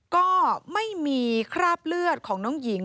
ก็ไม่มีคราบเลือดของน้องหญิง